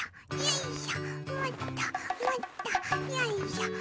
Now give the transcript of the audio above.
よいしょ！